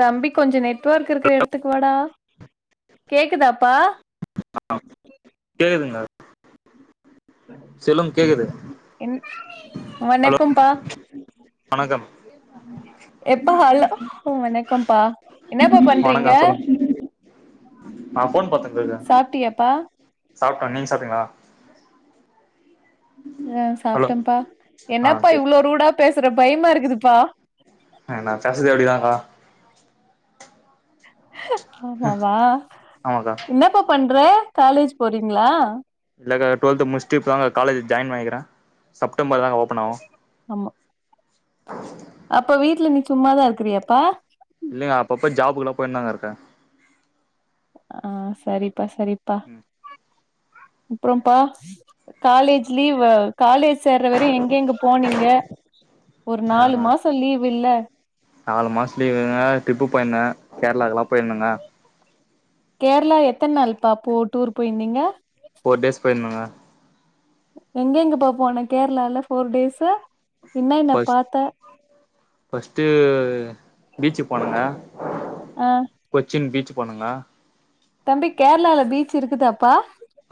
தம்பி கொஞ்சோ நெட்வொர்க் இருக்ற எடத் துக் வாடா கேக்குதாப்பா கேக்குதுங்க சொல்லுங்க கேக்குது என் ஹலோ வணக்கம்ப்பா வணக்கம் எப்பா ஹலோ வணக்கம்ப்பா என்னப்பா பண்றீங்க ஆ ஃபோன் பாத்துட்ருக்கே சாப்ட்டியாப்பா சாப்டே நீங் சாப்டீங்ளா அ ஹலோ சாப்டம்ப்பா ஆ என்னப்பா சரி இவ்ளோ ரூடாப் பேசற பயமா இருகுதுப்பா அ நா பேசறதே அப்டிதாங்கா ஆமாவா ஆமாக்கா என்னப்பா பண்ற காலேஜ் போறீங்ளா இல்லகா டுவல்த்து முட்ச்சுட்டு இப்பதாங்கா காலேஜ் ஜாயின் பண்ணிகிறே செப்டம்பர்தாகா ஓப்பனாவு அம்ம ப [inaudible] அப்ப வீட்ல நீ சும்மாதா இருக்கிறியாப்பா இல்லங்க அப்ப அப்ப ஜாபுகுலாம் போயின்தாங்க இருக்கே ஆ சரிப்பா சரிப்பா அப்றம்ப்பா காலேஜ் லீவா காலேஜ் சேர்ற வர எங்க எங்க போனீங்க ஒரு நாலு ஆ மாசோ லீவில்ல நாலு மாசோ லீவுங்க ட்ரிப்பு போயிந்தே கேரளாக்குலா போயிந்தேங்க கேர்ளா எத்தன் நாள்ப்பா போ டூர் போயிந்தீங்க ஃபோர் டேஸ் போயிந்துங்க எங்க எங்கப்பா போன கேர்ளால ஃபோர் டேஸ இன்ன என்னப் பாத்தே ஃபர்ஸ்ட்டு பீச்சு போனங்கே அ கொச்சின் பீச் போனங்கே தம்பி கேர்ளால பீச் இருக்குதாப்பா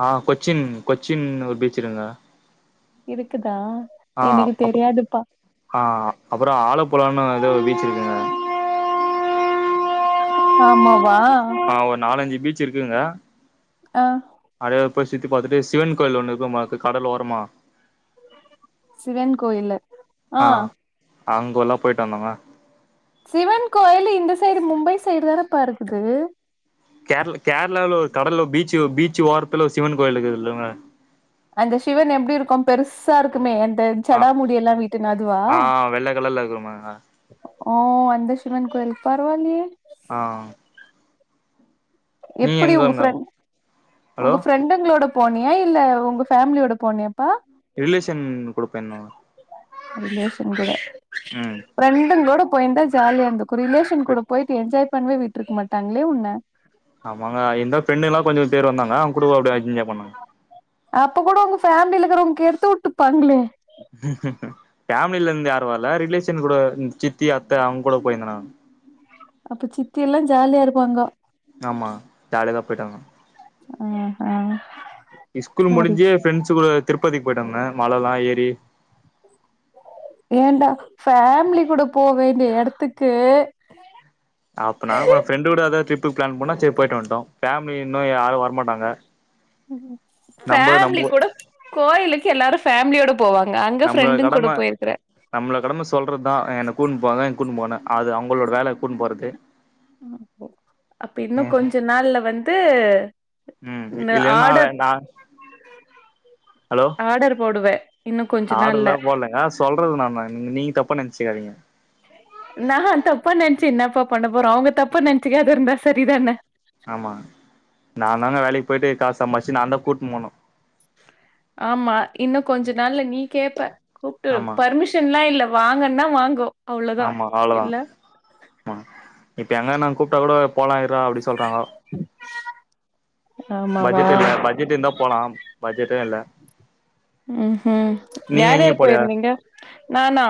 ஆ கொச்சின் கொச்சின் ஒரு பீச் இருங்க இருக்குதா எனுகு அப்ப தெரியாதுப்பா ஆ அப்றோ ஆலப்புலானு எதோ பீச்சு இருக்குங்க ஆமாவா ஆமா ஒரு நாலஞ்சி பீச் சிருக்குங்க ஆ அத போய் சுத்தி பாத்துட்டு சிவன் கோயில் ஒன்னு இருக்கும்க்கு கடல் ஓரமா சிவன் கோயில்லு ஆ அங்கோல்லா போயிட்டு வந்தோங்க சிவன் கோயிலு இந்த சைடு மும்பை சைடு தானே பா இருக்குது கேரள கேரளாவுல ஒரு கடல்ல பீச்சு பீச்சு ஓரத்துல ஒரு சிவன் கோயிலிகிதுல்லாங்க அந்த சிவன் எப்டி இருக்கு பெருஸ் சா இருக்குமே அந்த ஆ சஜடா முடியல்லா விட்டுனு அதுவா ஆ வெள்ள கலர்ல இருக்குமாங்க ஓ அந்த சிவன்கோயில் பரவாலியே ஆ நீங்க எப்பிடி உங்க எங்கங்க ஃப்ரென் ஹலோ உங்க ஃப்ரெண்டுங்களோட போனியா இல்ல உங்க ஃபேமிலியோட போனியா ரிலேஷன் கூடப்போயிந்தோங்க ரிலேசன் கூட ம் ஃப்ரண்டுகலோட போயிந்தா ஜாலியா இந்துக் கு ரிலேஷன் கூட போயிட்டு என்ஜாய் பண்ணவே விட்டுருக்க மாட்டாங்களே உன்ன ஆமாங்க இந்த ஃப்ரண்ட்ல்லா கொஞ்சபேர் வந்தாங்க அவுங்க கூட அப்டி என்ஜா பண்ணாங்க அப்ப கூட உங்க ஃபேமிலிக்கிறவங்க கெடுத்து உட்டுப்பாங்களே ஃபேமிலில இருந்து யாரு வரல்ல ரிலேஷன் கூட சித்தி அத்த அவுங்க கூட போயிருந்தானனு அப்ப சித்தி எல்லா ஜாலியா இருப்பாங்க ஆமா ஜாலியதா போயிட்டு வந்தோ ஆஹா ஸ்கூல் சரி முடிஞ்சி ஃப்ரெண்ட்ஸ் கூட திருப்பதிக்கு போயிட்டு வந்த மலலா ஏறி ஏண்டா ஃபேமிலி கூட போ வேண்டிய எடத்துக்கு அப்பன்னா ஃரெண்டோட அத ட்ரிப்கு பிளான் பண்ணா சரி போயிட்டு வன்ட்டோ ஃபேமிலி இன்னு யாரு வரமட்டாங்க ஃபேமிலி கூட கோயிலுக்கு எல்லாரு ஃபேமிலியோட போவாங்க அங்க நம்மள ஃப்ரெண்டுங் கூட கடம போயிருக்கற நம்மள கடம சொல்றதுதா என்ன கூன் போங்க என் கூன்டு போனு அது அவுங்களோட வேல கூட்னு போறது அப்ப இன்னு கொஞ்ச நாள்ல வந்து ம் இல் நா வே ஆர்டர் நா ஹலோ ஆர்டர் போடுவே இன்னு கொஞ்ச நாள்ல ஆடர்லா போலங்க சொல்றது நாம நீங்க தப்ப நெனச்சுக்காதீங்க நா தப்பா நெனச்சு என்னப்பா பண்ண போறோ அவுங்க தப்பா நெனச்சுக்க அது இருந்தா சரிதானே ஆமா நாதாங்க வேலைக்கு போயிட்டு காஸ் சம்பாச்சி நாந்தா கூட்டுனு போணு ஆமா இன்னு கொஞ்ச நாள்ள நீ கேப்ப கூப்டு ஆமா பர்மிஷ ன்லா இல்ல வாங்கன்னா வாங்கோ அவ்ளோதா ஆமா அவ்ளோதா இல்ல இப்ப எங்க ந கூப்டா கூட போலா ரா அப்டி சொல்றாங்கோ ஆமாவா பட்ஜெட் இல்ல பட் ஜெட்டு இருந்தா போலா பட்ஜெட்டு இல்ல ம்ஹ் நீங்க யார் எங்கயு யார் போலயா போயிருந்தீங்க நானா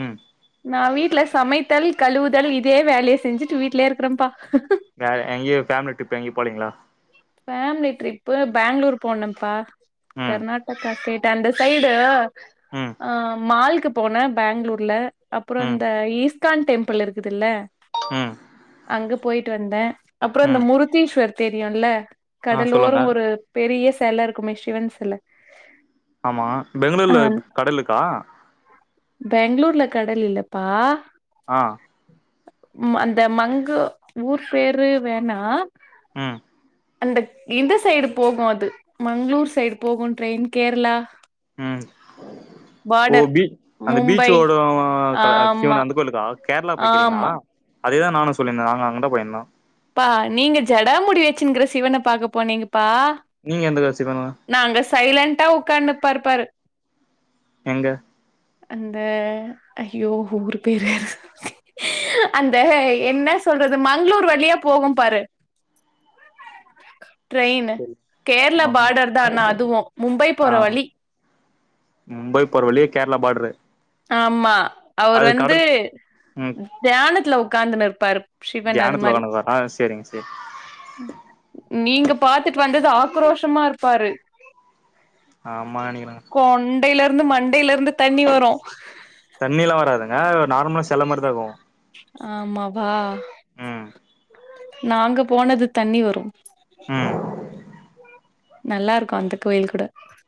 ம் நா வீட்ல சமைத்தல் கழுவுதல் இதே வேலைய செஞ்சுட்டு வீட்லயே இருக்குறேபா வேர எங்கயு ஃபேமிலி ட்ரிப் எங்கயு போலீங்களா ஃபேமிலி ட்ரிப்பு பேங்ளூர் போனப்பா ம் கர்நாடக்கா சை அந்த சைடு ம் ஆ மால்கு போனே பேங்ளூர்ல அப்புற ம் இந்த ஈஸ்கான் டெம்பிள் இருக்குதுல்ல ம் அங்க போயிட்டு வந்தே அப்புற அந்த ம் முருத்தீஸ்வர் தெரியும்ல ஆ கடலோர சொல்லுங்க ஒரு பெரிய செல இருக்குமே சிவன் செல ஆமா ஆ பெங்களூர்ல கடலுக்கா பெங்களூர்ல கடல் இல்லப்பா ஆ ம் அந்த மங்கு ஊர் பேரு வேணா ம் அந்த இந்த சைடு போகு அது மங்களூர் சைடு போகு ட்ரெயின் கேரளா ம் ஓ பார்டர் பீ அந்த பீச் மும்பை ஓடோ கட ஆமா சிவன் அந்த கோயிலுக்கா கேரளா போய்கிறீங்களா ஆமா அதேதா நானு சொல்லியிந்த நாங்க அங்க தா போயிருந்தோ பா நீங்க ஜடா முடிய வச்சுனுக்கிற சிவன பாக்க போனீங்கப்பா நீங்க எந்த காசி சிவனு நாங்க சைலண்டா உட்காந்து பாரு பாரு எங்க அந்த ஐயோ ஊர் பேர் வேற அந்த என்ன சொல்றது மங்ளூர் வழியா போகும் பாரு ட்ரெயினு கேரளா பார்டர் தா அனா அதுவு மும்பை போற ஆ வழி மும்பை போற வழியே கேரளா பார்ட்ரு ஆமா அவுரு வந்து ம் தியானத்துல உக்காந்துன்னு இருப்பாரு சிவன் அது தியானத்துல மாரி உக்காந்துவாரா சேரிங் சேரி நீங்க பாத்துட்டு வந்தது ஆக்ரோஷமா இருப்பாரு ஆமானிங்கன கொண்டையில இருந்து மண்டையில இருந்து தண்ணி வரு தண்ணிலா வராதுங்க அது ஒரு நார்மலா செல மாரி தா இருக்கு ஆமா வா ம் நாங்க போனது தண்ணி வரு ம் நல்லாருக்கு அந்தக் கோயில் கூட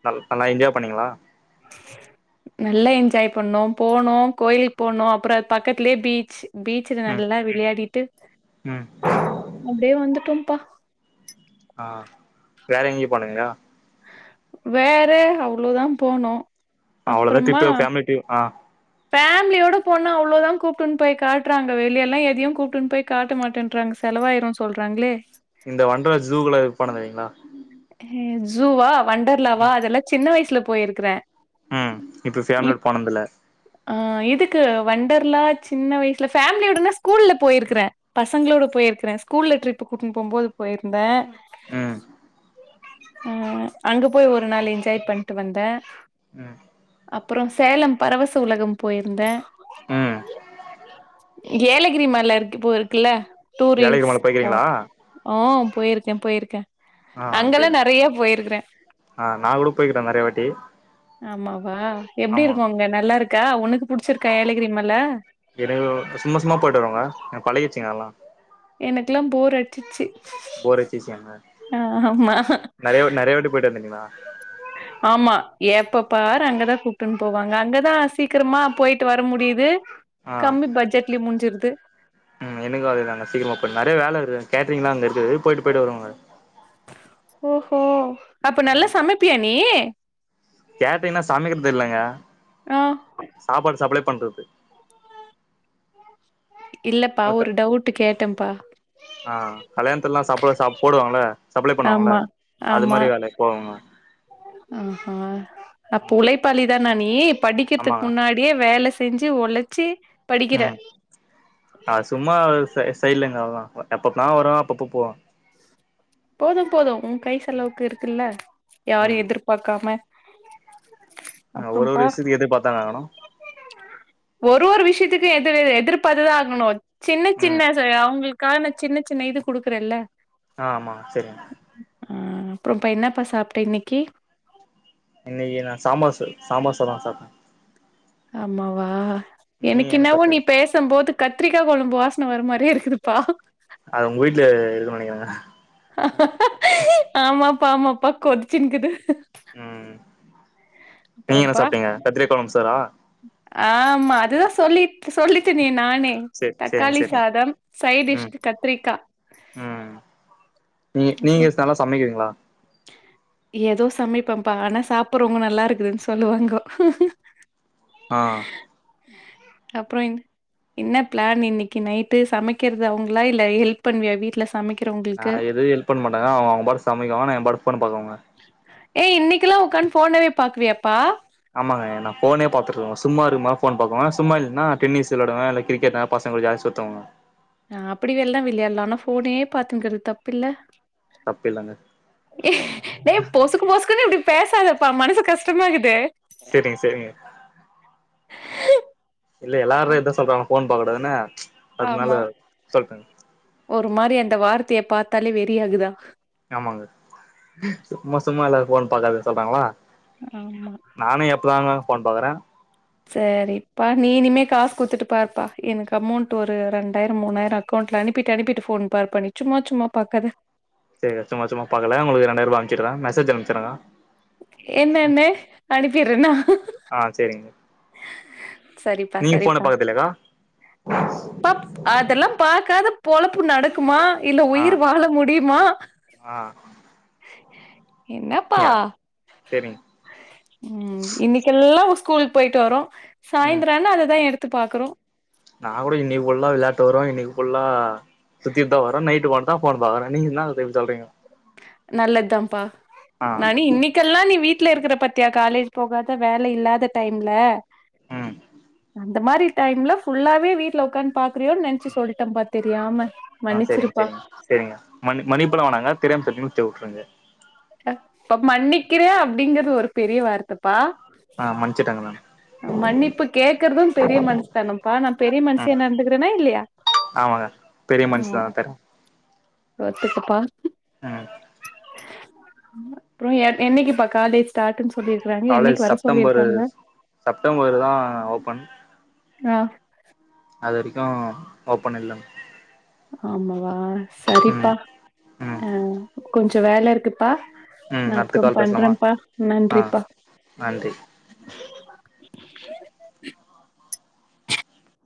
நல் நல்லா என்ஜாய் பண்ணீங்களா நல்லா என்ஜாய் பண்ணோ போனோ கோயிலுக் போனோ அப்புற பக்கத்துலே பீச் பீச்ல ம் நல்லா விளையாடிட்டு ம் அப்டியே வந்துட்டோம்பா ஆ வேற எங்கியு போனிங்க வேற அவ்ளோதா போனோ அவ்ளோதா டிரிப்பு ஃபேமிலி டீம் ஆ ஃபேமிலியோட போன்னா அவ்ளோதா கூப்ட்டுன் போய் காட்ற்றாங்க வெளியலா எதையும கூப்ட்டுன் போய் காட்ட மாட்டேன்றாங்க செலவாயிரு சொல்றாங்களே இந்த வண்டலூர் ஜூக்குள்ள இருப்பானுங்க தெரியுங்களா ஜூவா வண்டர்லாவா ம் அதெல்லா சின்ன வயசுல போயிருக்கறே ம் இப்ப ஃபேமிலியோட போனது இல்ல ஆ இதுக்கு வண்டர்லா சின்ன வயசுல ஃபேமிலியோடனா ஸ்கூல்ல போயிருக்கறே பசங்களோட போயிருக்கறே ஸ்கூல்ல ட்ரிப் கூட்டின் போம் போது போயிருந்தே ம் ம் அங்க போய் ஒரு நாள் என்ஜாய் பண்ட்டு வந்தே ம் அப்பறோ சேலம் பரவச உலகம் போயிருந்தே ம் ஏலகிரி மல இருக்கு இப்போ இருக்குல்ல ஏலகிரி டூரிஸ்ட் மல போய்க்கிறீங்களா ஸ்பாட் ஆங் போயிருக்கேன் போயிருக்கேன் ஆஹ் சேரிங்க ஆஹ் நான் கூட போயிருக்கிறேன் நறைய வாட்டி ஆமாவா எப்டி ஆமா இருக்கும் அங்க நல்லா இருக்கா உனக்கு புடிச்சிருக்கா ஏல கிரி மல எனக்கு சும்மா சும்மா போயிட்டு வருவேங்க எனக்கு பழகிருச்சுங்க அதெல்லாம் எனக்குலாம் போர் அடிச்சிச்சி போர் அடிச்சுச்சுங்களா நறைய நறையா வாட்டி போயிட்டு வந்துட்டீங்களா ஆமா எப்பப் பாரு அங்கதான் கூப்டுன்னு போவாங்க அங்கதான் சீக்கிரமா போயிட்டு வர முடியுது கம்மி பட்ஜெட்லே முடிஞ்சிருது உம் எனக்கும் அதேதாங்க சிக்கிரமா போயிடும் நறைய வேல இருக்கு கேட்டரிங்லாம் அங்க இருக்குது போயிட்டு போயிட்டு வருவாங்க ஓஹோ அப்ப நல்லா ம் சமைப்பியா நீ கேட்ரிங்னா சமைக்கிறது இல்லங்க ஆ சாப்பாடு சப்ளை பண்றது இல்லப்பா க ஒரு டவுட் கேட்டேப்பா ஆ கல்யாணத்துல எல்லா சப்பிலெ சாப் போடுவாங்கள சப்ளை பண்ணுவாங்கள அது மாரி வேலைக்கு போவேங்க ஆ ஹா அப்ப ம் உழைப்பாளி தானா நீ படிக்கிறதுக்கு ஆமாங்க முன்னாடி யே வேல செஞ்சு ஒழைச்சு படிக்கிறே ம் அது சும்மா சை சைடுலங்க எப்பப்பலா வரும் அப்பப்போ போவோ போதும் போதும் உன் கை செலவுக்கு இருக்குல்ல யாரயு ம் எதிர்பார்க்காம ஆ ஒரு ஒரு விஷயத்துக்கு எதிர் பாத்தானே ஆகணும் ஒரு ஒரு விஷயத்துக்கும் எதிர் எதிர்பாத்துதா ஆகணும் சின்ன ம் சின்ன அவங்களுக்கு கா நா சின்ன சின்ன இது குடுக்றேல்ல ஆ ஆமா செரிங்க ஆ அப்புறம்ப்ப என்னப்பா சாப்டே இன்னைக்கு இன்னைக்கு நா சாம்பார் சோ சாம்பார் சாதம் சாப்டேன் ஆமாவா நீங்க எனக்கு என்ன என்னவோ நீ சாப்ட்டீங்க பேச ம் போது கத்திரிக்கா கொழம்பு வாசனை வர மாரியே இருக்குதுப்பா அது உங்க வீட்டு்ல இருக்குனு நினக்கிறெங்க ஆமாப்பா ஆமாப்பா கொதிச்சின்குது ம் நீங்க என்ன அப்புறம்ப்பா சாப்பிட்டீங்க கத்திரிக்கா குழம்பு சோறா ஆமா அது சொல்லி சொல்லிட்டேனே நானே சேரி சேரிங்க தக்காளி சேரிங்க சாதம் ம் சைடிஷ்க்கு கத்திரிக்கா ம் நீ நீங்க அப்புறம் நல்லா சமைக்கீங்களா ஏதோ சமைப்பேப்பா ஆனா சாப்புடுறவங்கொ நல்லா இருக்குதுன்னு சொல்லுவாங்கோ ஆ அப்புற இன் என்ன பிளான் இன்னைக்கு நைட்டு சமைக்கிறது அவங்களா இல்ல ஹெல்ப் பண்ணுவியா வீட்ல ச சமைக்கிறவங் ஆ எதுவு ஹெல்ப் பண்ண மாட்டெங்க அவங்க அவங்க பாட்டுக்கு சமைக்கவாங்க நா பாட்டுக்கு ஃபோன பாப்பேங்க ஏ இன்னைக்குல்லா உக்காந்து ஃபோனவே பாக்குவியாப்பா ஆமாங்க நா போனே பாத்துட்டுருப்ப சும்மா இருக்குபோது போன் பாக்குவெ சும்மா இல்லனா டென்னீஸ் விளையாடுவெ இல்ல கிரிக்கெட் பசங்க கூட ஜாஸ்த் சுத்துவுங்க ஆ அப்டி வெள்ளே விளையாட்லா ஆனா ஃபோனே பாத்துன் கீறது தப்பு இல்ல தப்பு இல்லங்க ஏ டே பொசுக்கு பொசுக்குன்னு இப்படி பேசாதப்பா மனசு கஷ்டமா கீத்து சேரிங்க சேரிங்க இல்ல எல்லாரூ இதா சொல்றாங்களா போன் பாக் கூடாதுன்னு அதனால ஆமா சொல்ட்டங்க ஒரு மாரி அந்த வார்த்தைய பார்த்தாலே வெறியாகுதா ஆமாங்க சும்மா சும்மா எல்லாரூ ஃபோன் பாக்காத சொல்றாங்களா ஆமா நானே எப்ப தாங்க ஃபோன் பாக்குறோ செரி ப்பா நீ இனிமே காசு குடுத்துட்டு பாருப்பா எனக்கு அமௌண்ட் ஒரு ரெண்டாயிரோ மூணாயிரோ அக் கவுண்ட்ல அனுப்பிட்டு அனுப்பிட்டு ஃபோன் பாருப்பா நீ சும்மா சும்மா பாக்காத செரிக்கா சும்மா சும்மா பாக்கல உங்களுக்கு ரெண்டாயிர் ரூபா அம்ச்சுர்றோ மெசேஜ் அம்ச்சுர்றங்கா என்னன்னு அனுப்பிரேன்னா நீங் ஃபோன பாக்குற்து இல்லக்கா பாப் அதெல்லா பாக்காத பொழப்பு நடக் குமா இல்ல ஆ உயிர் வாழ முடியுமா ஆ என்னப்பா யா செரிங்க ம் இன்னிக்கெல்லா ‌உஸ்கூலுக்கு போயிட்டு வரோ ம் சாயந்தரோ ஆனா அததா எடுத் து பாக்குறோ நா கூட இன்னிக் ஃபுல்லா விளாட்டு வருவோ இன்னிக் ஃபுல்லா சுத்திட் தா வரோ நைட்டு வன்ட் தா ஃபோன் பாக்குறே நீங் ன்னா ஈப்ட் சொல்றீங்கோ நல்லத்தாம்ப்பா ஆ நா நீ இன்னீ இதுக்கல்லா நீ வீட்ல இருக்கிற பாத்தியா காலேஜ் போகாத வேல இல்லாத டைம்ல ம் அந்த மாரி டைம்ல ஃபுல்லாவே வீட்ல உக்காந் பாக்குறியோன் நென்ச்சி சொல்டேம்பா தெரியாம ஆ சரிங் மன்னிச்சிருப்பா சரிங் சரிங்கா மனி மன்னிப்புலா வேணாங்கா தெரியாம சொல்லி நென்ச் வுட்ருது அப் மன்னிக்கிறே அப்படிங்கறது ஒரு பெரிய வார்த்தப்பா [unintelligible] மன்னிப்பு கேக்கிறதூ பெரிய மனசு தனம்ப்பா நா பெரிய மனுஷியா நடந்துக்கிறேனா இல்லயா ஆ பெரிய மன்ஸ் தாங் தறே ஒத்துக்குப்பா ம் அப்புறோ எ என்னைக்குப்பா காலேஜ் ஸ்டார்ட்ன்னு சொல்லிருக்கறாங்க காலேஜ் என்னைக்கு வர செப்டம்பரு சொல்லியிருக்காங்க செப்டம்பர் தா ஓபன் ஆ அது வரைக்கூ ஓப்பன் இல்லம் ஆமாவா சரிப்பா ம் ம் ஆ கொஞ்சோ வேல இருக்குப்பா ம் நா அடுத்த அப்புறோ கால் பேசலாமா பண்றேம்ப்பா ஆ நன்றிப்பா நன்றி